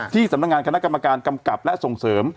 สำนักงานคณะกรรมการกำกับและส่งเสริม